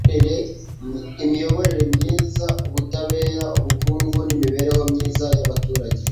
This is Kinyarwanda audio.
imiyoborere myiza, ubutabera, ubukungu n'imibereho myiza y'abaturage